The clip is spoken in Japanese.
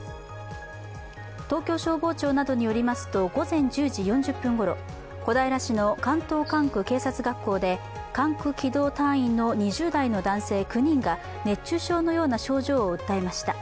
東京消防庁などによりますと午前１０時４０分ごろ小平市の関東管区警察学校で、管区機動隊員の２０代の男性９人が熱中症のような症状を訴えました。